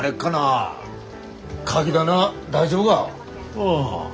ああ。